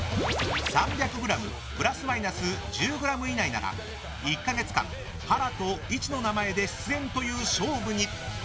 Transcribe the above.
３００ｇプラスマイナス１０ｇ以内なら１か月間、ハラとイチの名前で出演という勝負に。